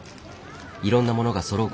いろんなものがそろう